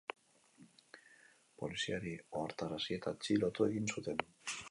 Poliziari ohartarazi eta atxilotu egin zuten.